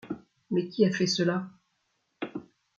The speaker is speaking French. Mais qui a fait cela ?